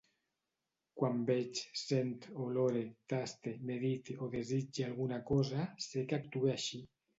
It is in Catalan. Quan veig, sent, olore, taste, medite o desitge alguna cosa, sé que actue així.